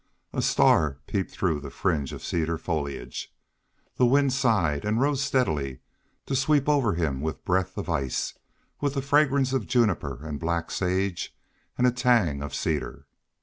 A star peeped through the fringe of cedar foliage. The wind sighed, and rose steadily, to sweep over him with breath of ice, with the fragrance of juniper and black sage and a tang of cedar.